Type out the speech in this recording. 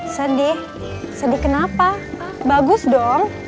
sedih sedih kenapa bagus dong